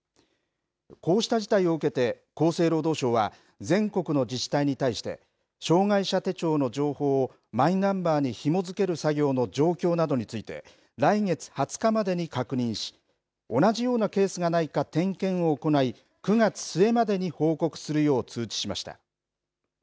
こうした事態を受けて厚生労働省は、全国の自治体に対して、障害者手帳の情報をマイナンバーにひも付ける作業の状況などについて、来月２０日までに確認し、同じようなケースがないか点検を行い、９月末までに報告するよう通知しました。